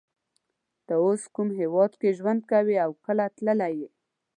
ته اوس کوم هیواد کی ژوند کوی او کله تللی یی